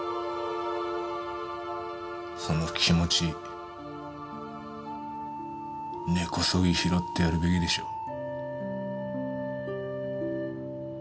その気持ち根こそぎ拾ってやるべきでしょう。